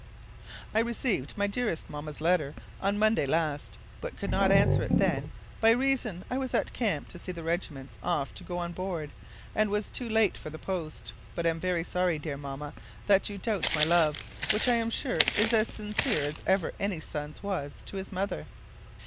I received my dearest Mamma's letter on Monday last, but could not answer it then, by reason I was at camp to see the regiments off to go on board, and was too late for the post; but am very sorry, dear Mamma, that you doubt my love, which I'm sure is as sincere as ever any son's was to his mother.